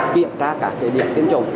kiểm tra các địa điểm tiêm chủng